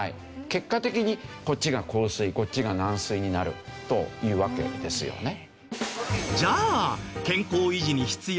結果的にこっちが硬水こっちが軟水になるというわけですよね。